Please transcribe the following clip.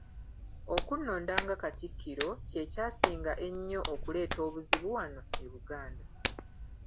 Okunnonda nga Katikkiro, kye kyasinga ennyo okuleeta obuzibu wano e Buganda.